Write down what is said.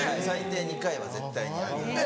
最低２回は絶対に入る。